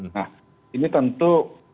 nah ini tentu